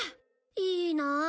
いいな。